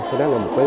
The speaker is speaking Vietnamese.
thế đó là một cái